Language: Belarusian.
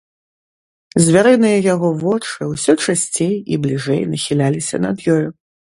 Звярыныя яго вочы ўсё часцей і бліжэй нахіляліся над ёю.